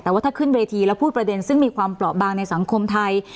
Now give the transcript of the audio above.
แต่ว่าถ้าขึ้นเวทีแล้วพูดประเด็นสังคมไทย